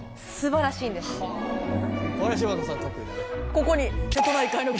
ここに。